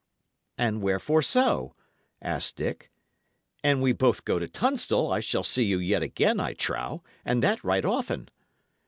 "And wherefore so?" asked Dick. "An we both go to Tunstall, I shall see you yet again, I trow, and that right often."